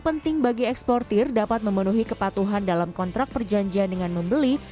penting bagi eksportir dapat memenuhi kepatuhan dalam kontrak perjanjian dengan membeli